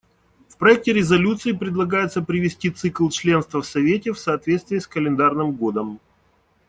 В проекте резолюции предлагается привести цикл членства в Совете в соответствие с календарным годом.